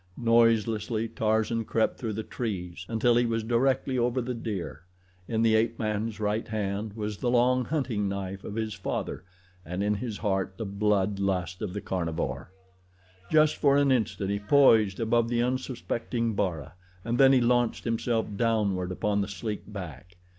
Noiselessly Tarzan crept through the trees until he was directly over the deer. In the ape man's right hand was the long hunting knife of his father and in his heart the blood lust of the carnivore. Just for an instant he poised above the unsuspecting Bara and then he launched himself downward upon the sleek back.